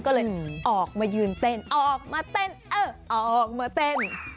ก็เลยออกมายืนเต้นออกมาเต้นเออออกมาเต้น